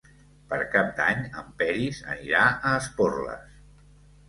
Per Cap d'Any en Peris anirà a Esporles.